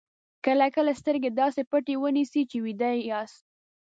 کله کله سترګې داسې پټې ونیسئ چې ویده یاست.